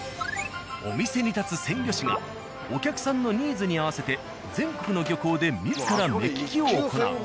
お店に立つ鮮魚士がお客さんのニーズに合わせて全国の漁港で自ら目利きを行う。